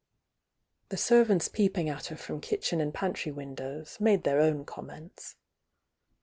The servants peepuig at her from kitchen and pan try wmdows, made their own comments.